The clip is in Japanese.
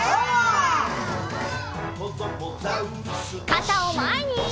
かたをまえに！